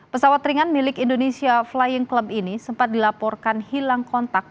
pesawat ringan milik indonesia flying club ini sempat dilaporkan hilang kontak